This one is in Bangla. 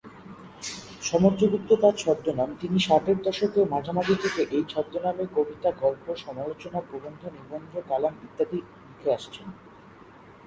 সমুদ্র গুপ্ত তার ছদ্মনাম; তিনি ষাটের দশকের মাঝামাঝি থেকে এই ছদ্মনামে কবিতা, গল্প, সমালোচনা প্রবন্ধ, নিবন্ধ, কলাম ইত্যাদি লিখে আসছেন।